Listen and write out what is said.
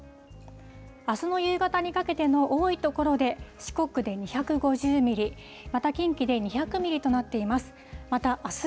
あすの夕方にかけての多い所で、四国で２５０ミリ、また近畿で２００ミリとなっています。